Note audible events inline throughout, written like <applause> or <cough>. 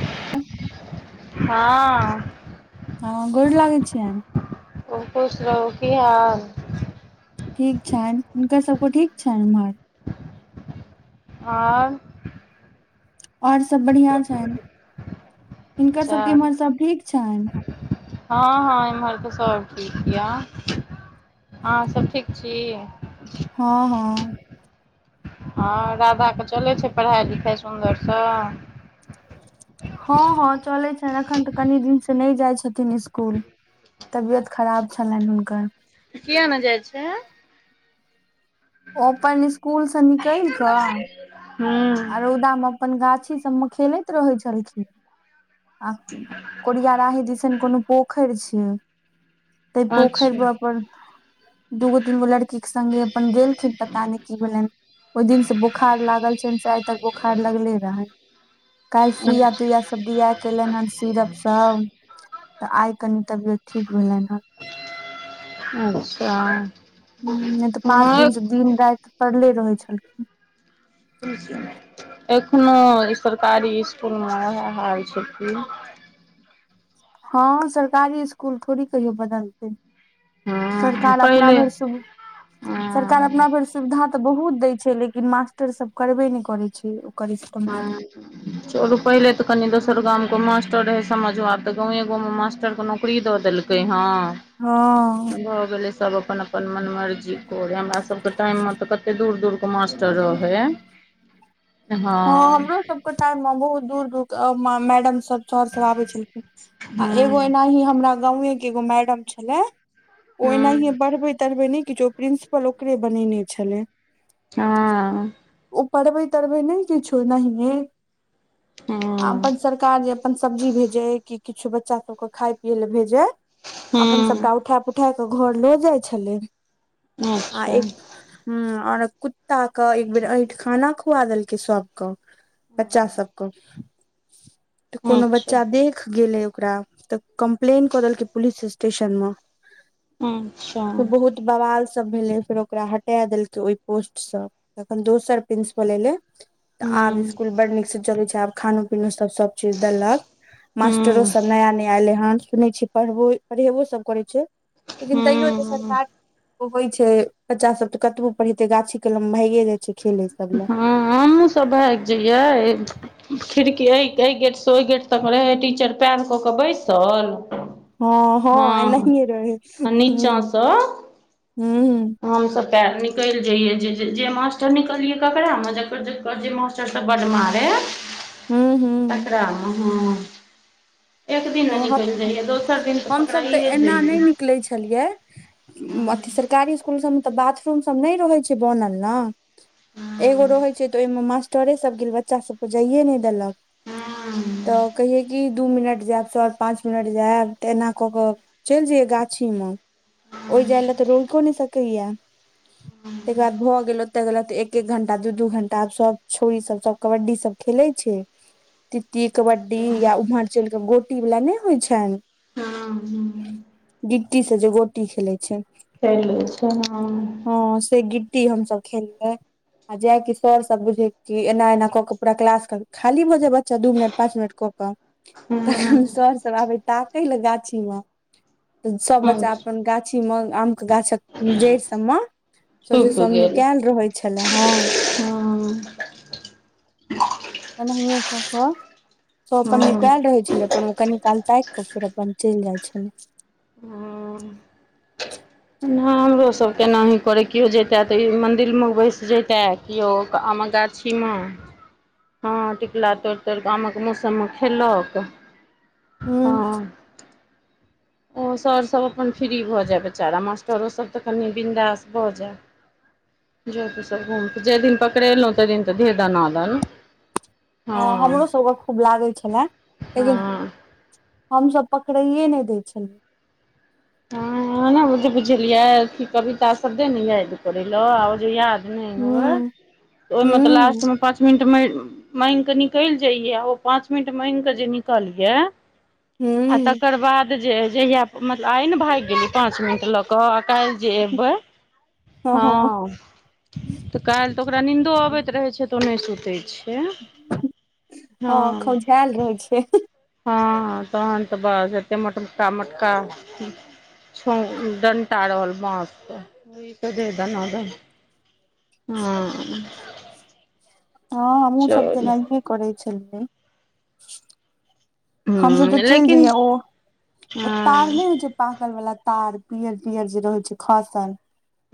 हँ हँ गोर लागै छियइन ओ खुश रहू की हाल ठीक छनि हुनकर सबको ठीक छनि उम्हर आओर और सब बढ़िया छइन हिनका सब के चल इम्हर सब ठीक छनि हँ हँ एम्हर तऽ सब ठीक यए हँ सब ठीक छी हँ हँ हँ राधा के चलै छै पढ़ाई लिखाई सुन्दरसँ हँ हँ चलै छनि एखन तऽ कनि दिन से नहि जाइ छथिन इस्कूल तबियत खराब छलनि हुनकर किया ने जाइ छै ओ अपन स्कूल स निकल कऽ हूँ आ रौदा में अपन गाछी सब में खेलैत रहै छलखिन आ कोरिया राही दिसन कोनो पोखइर छै तै पोखरि अच्छा में अपन दूगो तीनगो लड़की के संगङ्गे अपन गेलखिन पता नय की भेलनि ओइ दिनसँ बोखार लागल छनि से आइ तक बोखार लगले रहनि काइल सुइया तुइया सब दिया क एलनि हं सिरप सब तऽ आइ कनी तबियत ठीक भेलनि हं अच्छा हं नय तऽ पाँच हँ दिनसँ दिन राइत पड़ले रहै छलखिन एखनो ई सरकारी इसकुलमे ओएह हाल छै कि हँ सरकारी इसकुल थोड़ी कहियो बदलतै हँ सरकार अपना पहिले भइर सु सरकार हँ अपना भर सुविधा तऽ बहुत दै छय लेकिन मास्टरसब करबे नय करै छय ओकर इस्तेमाल ह <inaudible> चलु पहिले तऽ कनी दोसर गामं के मास्टर रहे समझो आब त गाँवे गावं मास्टर के नौकरी दऽ देलकै कय हँ हँ भऽ गेलय सब अपन अपन मन मर्जी करे हमरा सब के टाइम में त कते दूर दूर के मास्टर रहय हँ हमरो सबके टाइम में बहुत दूर दूर के अ मैडम सब चर सब आबे छलखिन आ हूँ एगो एनाही हमरा गांवे के एगो मैडम छलय ओ हूँ एनाहिए पढ़बै तढ़बै नय किछो प्रिंसिपल ओकरे बनेने छलय हँ ओ पढ़बे तढ़बै नय किछो नहिये आ अपन सरकार जे अपन सब्जी भेजै कि किछु बच्चा सब के खाय पियए लय भेजै अपन हूँ सबटा उठाए पुठाए तऽ घर लो जाइ छलै हूँ आ अच्छा एक हं और कुत्ता क एक बेेर अइंठ खाना खुआ देलकय सब को बच्चा सबकः तऽ कोनो अच्छा बच्चा देख गेलै ओकरा तऽ कम्प्लेन कऽ देलकै पुलिस स्टेशन मे अच्छा बहुत बवाल सब भेलै फेर ओकरा हटा देलकै ओहि पोस्ट से तखन दोसर प्रिंसिपल एले तऽ आब हूँ स्सकुल बड़ नीकसँ चलैत छैय आब खानो पीनो सभ सभ चीज देलक मास्टरो हूँ सभ नया नया अयलै हन सुनै छीयै पढ़बो पढ़ेबो सभ करै छैय लेकिन तैयो जे हूँ सरकार होइ छै बच्चा सब तऽ कतबो पढ़ेतै गाछी कलम भागे जतै हँ हमहुसभ भागि जइयै खिड़की एहि एहि गेट से ओहि गेट तक रहे टीचर पयर कऽ के बैइसल हँ हँ एनाहिये रहै हँ हूँ नीचासँ हूँ हमसभ पैर निकल जइय जे जे मास्टर निकलिये ककरा में जे मास्टर सब बड़ मारे हूँ हूँ तकरा मे हँ एक दिन न हँ नैया कहने हम रहिए दोसर दिन तऽ हमसभ पकड़ाइयै एना नहि जाइए निकलै छलिए अथी सरकारी इसकुल सभमे तऽ बाथरूम सब नहि रहै छैय बनल ना एगो हँ रहै छैय तऽ ओहिमे मास्टरे सब गेल बच्चा सबप जाइे नहि देलक हं तऽ कहिये कि दू मिनट जैब चारि पांच मिनट जायब तऽ एना क कऽ चलि जइये गाछिम ओहि हँ जाय लए तऽ रोइको नहि सकैया ह <inaudible> ताकर बाद भऽ गेलोते गेलो एक एक घंटा दू दू घंटा आब सब छोड़ी सब कबड्डी सब खेलै छैय तीती कबड्डी या उमहड़ चैल के गो गिटी वाल नहि होइ छैन गिट्टी से जे गोटी खेलै छैय चलै छै हँ से गिट्टी हमसब खेलियै आ जाय क सर सब बुझे कि एना एना कऽ के पूरा क्लास के खाली भऽ जाय बच्चा दू मिनट पाँच मिनट कऽ केऽ हँ तखन सर सब आबै ताकै लऽ गाछी म तऽ सभ हँ बच्चा अपन गाछीमे आमके गाछक जड़ि सबम सउसे छुपि सब गेल कल रहै छले हँ हँ एनाे क क सब अपन हँ निकल रहै छलै अपन कनी काल ताकि कऽ फेर अपन चलि जाइ छल हमरोसभ केनाही करै केओ जैतै तऽ ई मन्दिरमे बैस जैतै केओ आमक गाछ ीमा हँ टिकुला तोर तर आमक मौसममे खेलक हुँ हॅ ओ सरसभ अपन फ्री भऽ जाय बेचारा मास्टरोसभ तऽ कनि बिन्दास भऽ जाय जाहि दिन पकड़ेलहु तहि दिन तऽ दे दना दन हँ हमरो सबके खूब लागै छलए लेकिन हँ हमस पकड़ैे नहि दै छलै ह ब बुझलिय कविता सबे ने याद करल याद हुँ ओहिम तऽ लास्ट हुँ मे पांच मिनट मांगगिके निकलि जाइय ओ पांच मिनट मांगगिक जे निकलिए आ हुँ तकर बाद जे जहिया मतलब आइ ने भागि गेली पाँच मिनट लक कह काल्हि जे एबै हँ तऽ काल्हि तऽ ओकरा नीन्दो अबैत रहैत छै तऽ ओ नहि सुतैत छै <unintelligible> हँ खौंझायल रहै छै हँ तहन तऽ बस एते मोटका मोटका <inaudible> डंडा रहल बाँसके <unintelligible> हँ हमहुँ सब तऽ चलू ऐनाहिए करै छलियै हमस तऽ ह चलि लेकिन जइयै ओ <inaudible> ओ तार हँ नहि होइ छै पाकल वाला तार पियर पियर जे रहे छै खसल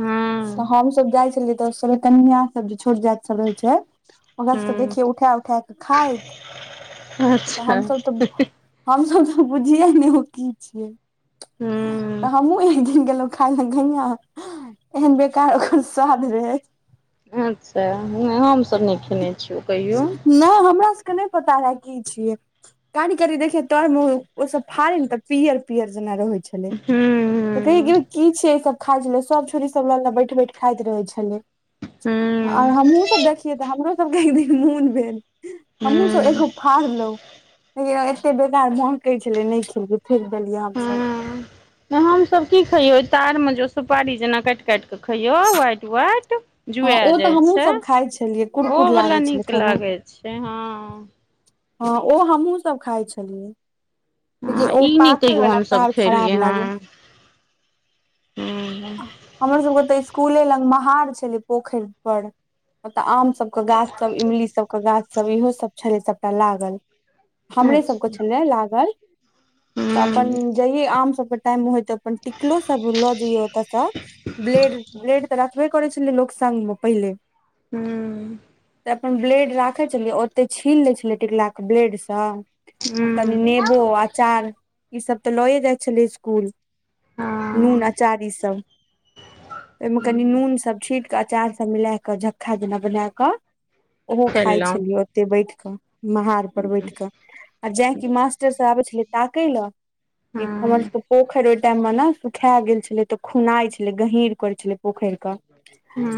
हँ तऽ हमसभ जाइ छलियै तऽ सोलकन्य सब जे छोट जाति सब रहै छै ओकरा सबके हँ देखिय उ उठे उठे क खाइत <inaudible> तऽ अच्छा हूँ हमसभ तऽ हम सब तऽ बुझिये ने ओ की छियै <unintelligible> तऽ हमहुँ एक दिन गेलहुँ खाए ल गैया ऐहेन बेकार ओकर स्वाद रहै अच्छ हमसभ नहि खेने छियौ कहियौ नहि हमरा सबके नहि पता रहै कि छियै कारी कारी देखियै तोर ओ उ सब फड़ ने तऽ पियर पियर जेना रहै छलै तऽ हूँ कह की छै खाइ छल सब छोड़ी सब लऽ ल बैठ बैठ खाइत रहै छलै आर हूँ हमहुँ सब देखियै तऽ हमरो सब कह एक दिन मोन भेल हमू सब एगो फार लो एते बेकार महकै छलै नहि खेलियै फेक देलियै हम सब हम सब की खैयो तार मे जे सुपारी जेना काटि काटि क खैयो व्हाइट व्हाइट हँ जुआ ओ तऽ जाइ छै हमहूँसभ खाइत छलियै ओहो कुरकुर वला लागैत छलै नीक खायमे लागै छै हँ हँ ओ हमहुँ सब खाए छलियै लेकिन हँ ओ ई नहि पाकल कहियो वाला हमसभ तार खेलियै खराब लागे <inaudible> हँ हूँ हमर सबके तऽ स्कूले लग महार छलै पोखरि पर ओतऽ आम सब गाछ सब इमली सबके गाछ सब इहो सब छलै सबटा लागल हमरे अच्छा सभके छलै लागल तऽ हूँ अपन जहि आम सभके टाइम होइत अपन टिकलो सभ ल जाइए ओत स ब्लेड ब्लेड तऽ रखबैे करै छैै लोक संग म पहिले <unintelligible> त अपन ब्लेड राखे छलियै ओते छील ले छलियै टिकला के ब्लेड से आ कनि नेब अचार ई सब तऽ लए जाइ छले स्कूल नून हँ आचार इ सब <inaudible> ओहिमे कनि नून सब छी अचार सब मिला क झक्खा जेना बना कऽ ओहो खाय खेललहुँ छलियै ओते बैठ कऽ महार पर हूँ बैठ कऽ आ जायकि मास्टर सभ आबै छलै ताकय लए ई हमर सबके पोखरि ओहि टाइम मे ने सुखा गेल छलै तऽ खुनाइ छलै गहीर करै छलै पोखैर कऽ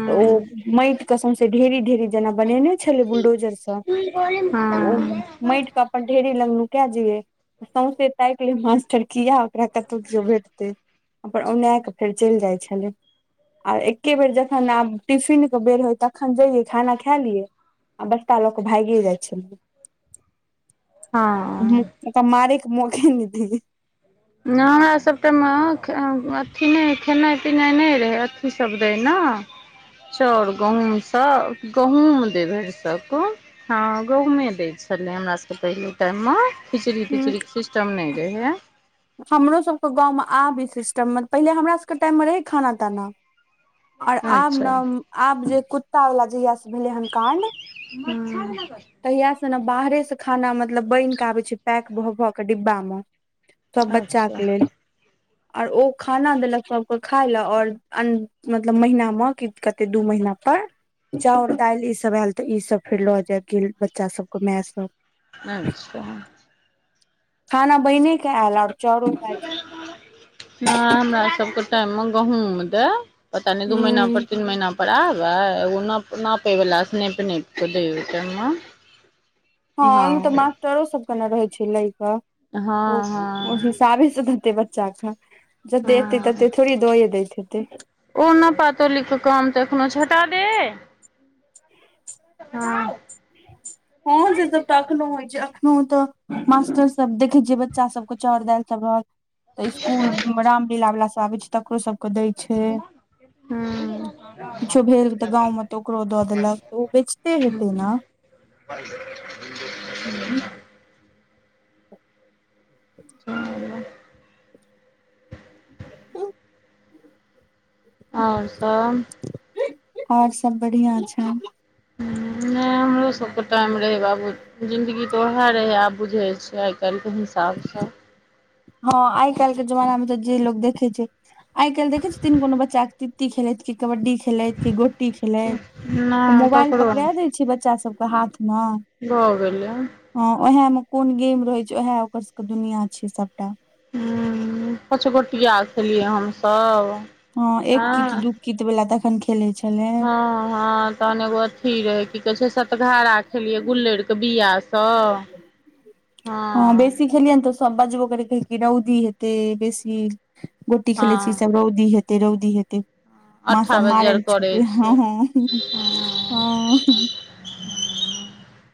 तऽ ओ माईट के सौंसे ढेरी ढेरी जेना बनेने छलै बुल्डोजर स न ओ माईट प अपन ढेरी ल नुकाए जइए सौंसे ताक ले मास्टर किया ओकरा कतहु केओ भेटतै अपन औना कऽ फेर चैल जार छलै आ एके बेर जखन आब टिफिनके बेर होय तखन जइयै खाना खा लियै आ बस्ता ल क भागि जाय छै <inaudible> हँ ओ मारै क मैके न दिए नय हमरासबके म अ अथी नय खेनाइ पिनाइ नय रहै अथी सब रहय ना चाउर गहुमसँ गहुम दे भरि सक हँ गहूँमे दै छलै हमरासबके पहिले टाइम म खिचड़ी तिचड़ीके सिस्टम नय रहै हमरोसबके गाँवमे आब ई सिस्टम पहिले हमरास बके टाइम में रहै खाना ताना ओर आब ना अच्छा आब जे कुत्ता वला जहिया स भेलै हन काण्ड अं तहिया स न बाहरे से खाना मतलब बैन कऽ आबै छै पैक भऽ भ कऽ डिब्बा म सब बच्चा अच्छा के लेल आर ओ खाना देलक सबके खाय लय और अ मतलब महिना मं कि कते दू महीना पर चाउर दाइल ई सब एल तऽ ई सब फेर लऽ जयत किल बच्चा सब के मै सब अच्छा खाना बहिने कऽ एल आर नय हमरा सबके टाइममे गहुम दय पता नय दू महिना हूँ पर तीन महीना पर आबै एग नप नापे वला स नैप नैप कऽ दय आइ टाइम मं हँ ओइमे तऽ मास्टरो सबके न रहै छै लै कऽ ओ हँ ओ हँ हिसाबेसँ धते बच्चा का जते एतै तते थोड़ी दये दैत हेतै ओना पातो लिख काम तखनो छटा दे हँ <unintelligible> हँ से सब तऽ अखनो होइ छै अखनो तऽ मास्टर सब देखै छियै बच्चा सबके चाउर दाइल सब रहल तऽ इसकुल रामलीला वला सब आबै छै तकरो सबके दै छै हूँ किछो भेल तऽ गाँव में तऽ ओकरो दऽ देलक तऽ ओ बेचते हेतै ने <inaudible> <inaudible> <inaudible> हं और सब और सब बढ़िया छय हं नय हमरो सबके टाइम रहै बाबू जिन्दगी तऽ ओएह रहै आब बुझै छै काइलके हिसाबसँ हँ आइ काल्हि के जमाना मे तऽ जे लोक देखै छै आइ काल्ह देखै छथिन कोनो बच्चाक ती खेलैत कि कबड्डी खेलैत कि गोटी खेलैत उ नहि मोबाइल ककरो पकड़ा नहि दै छै बच्चा सबके हाथ मं भऽ गेलय हँ ओहे में कोन गेम रहै छै उएह ओकर सबके दुनिआ छै सबटा हं पँच गोटिया खेलियै हमसब हँ एक कित दू कित वला तखन खेलय छलय य हँ हँ तहन एगो अथी रहे की कहय छै सतघारा खेलियै गुल्लइड़ के बिया स ह <unintelligible> हँ बेसी खेलिय न तऽ सब बजबो करय कदय कि रौदी हते बेसी गोटी खेलै छी हँ सब रौदी हेतै रौदी हेतै मा सब अठाबज मार आर ल करै छुटै ह छै हँ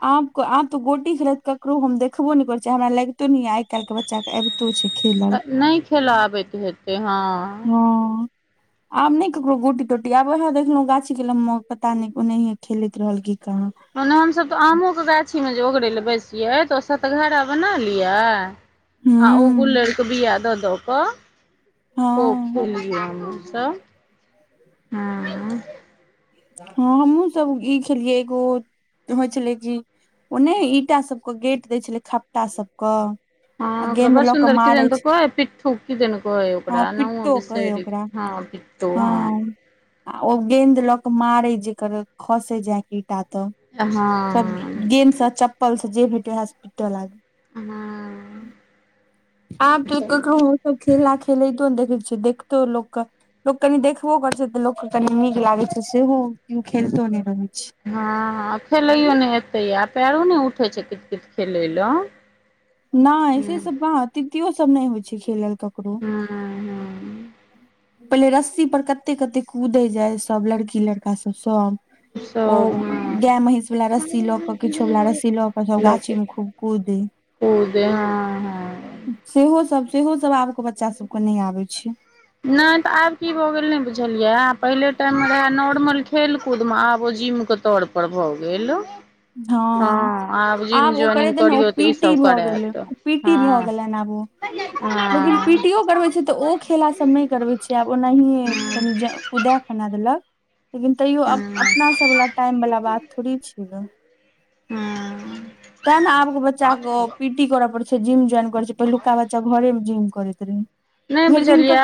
आब आप तो गोटी खेलात ककरो हम देखबो ने करैत छी हमरा लगितो ने य आइ काल्ह के बच्चा आबित तुऽ शिखे नहि खेलऽ आबैत हेतै हँ हँ <unintelligible> <inaudible> आब नहि ककरो गोटी तोटी आब वएह देखलहुँ गाछी कलम पता नहि ओनाहिये खेलैत रहल की कहाँ मने हमसभ तऽ आमोके गाछीमे जे ओगरै ल बैसियै तऽ ओ सतघारा बना लियअ आ ओ हूँ गुलड़ क बिया द द क हँ खुब सब ह हँ हमहूँ सब ई खेलियै एगो होइ छलै कि ओने ईटा सब क गेट दय छले खपटा सब क हँ ओकरा बड़ सुन्दर किदन तऽ कहै है पट्ठू किदन कहै है हँ ओकरा पिट्टो कहै ओकरा हँ पितौ हँ आ ओ गेद लऽ क मारे जेकर खसै जैईटा आ तऽ हाँ सब गेदसँ चप्पल स जे भेटै वएह से पीटय लागल हँ आब तू कैकरो त खेला खेलै तो देखै छै देखतौ लोक लोक कनि देखबो करै छै तऽ लोकके कनि नीक लागैत छै सेहोकियो खेलतो नहि रहैत छै हँ खेलैयो नहि एतै आ पयरो नहि उठै छै कित कित खेलय लऽ नहि से सब काहाँ तियो तियो सब नहि होइ छै खेलल ककरो ह <inaudible> <inaudible> पहिले रस्सी पर कते कते कूदै जाय सभ लड़की लड़का सब ओ सब हँ गाय महींष वाला रस्सी ल क किछो वाला रस्सी ल क सब गाछी मे खूब कूदे कुदै हँ हँ सेहो सब सेहो सब आबक बच्चा सब के नहि आबै छै नहि तऽ आब की भऽ गेल नै बुझलियै आ पहिले टाइम मे रहे नॉर्मल खेलकूद तुम आब ओ जिम के तौर पर भऽ गेल हँ जिम आब ओ करे ज्वाइनिंग दे ने ओ करियौ तऽ पीटी ईसभ भऽ गेलै करायत ओ पीटी हँ भऽ गेलै आब ओ हँ लेकिन हँ पी टी ओ करबे छै तऽ ओ खेला सब नहि करबै छैय आब ओनाही कनि कुदा खना देलक लेकिन तैयो अपनासभवला टाइम वला बात थोड़ी छै हँ तें ने आबके बच्चाक पी टी करऽ पड़े छै जिम जोइन कर छै पहिलुका बच्चा घरे मे जिम करैत रहे नहि बुझलियै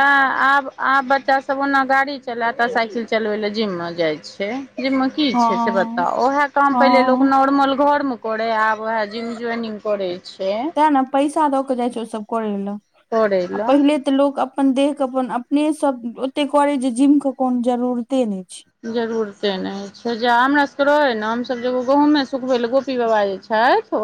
आब आब बच्चा सब ओना गाड़ी चलाता साइकिल चलबै ला जिम मे जाय छै जिम मे की हँ छै से बताउ ओएहे काम पहिले हँ लोक नॉर्मल घरमे करे आब वएह जीम जुनिंग करै छै ने पैसा दऽ क जाइ छै ओ सब करै ल करे आ लए पहिले त लोक अपन देह के अपन अपने सब ओते करे जे जिम के कोनो जरूरते नहि छै जरूरते नहि छै जे हमरा सबके रहै न हमस जेगो गहुँमे सुखबे ल गोपी बाबा जे छै